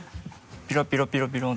「ピロピロピロピロ」